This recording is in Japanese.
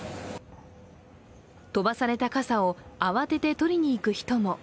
飛ばされた傘を慌てて取りに行く人も。